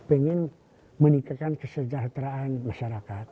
ingin menikahkan kesejahteraan masyarakat